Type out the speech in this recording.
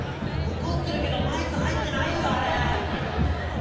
怒ってるけどマイク入ってないよあれ。